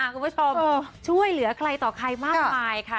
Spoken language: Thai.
คุณผู้ชมช่วยเหลือใครต่อใครมากมายค่ะ